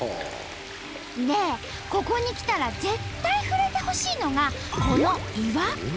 でここに来たら絶対触れてほしいのがこの岩。